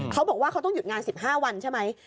เขาบอกว่าเขาต้องหยุดงาน๑๕วันใช่ไหม